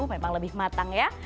memang lebih matang ya